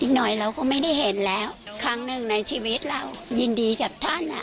หน่อยเราก็ไม่ได้เห็นแล้วครั้งหนึ่งในชีวิตเรายินดีกับท่านอ่ะ